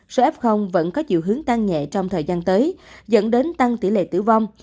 số f vẫn có chiều hướng tăng nhẹ trong thời gian tới dẫn đến tăng tỷ lệ tử vong